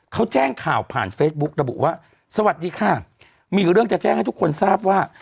เขาแจ้งข่าวผ่านเฟซบุ๊กระบุว่าสวัสดีค่ะมีเรื่องจะแจ้งให้ทุกคนทราบว่า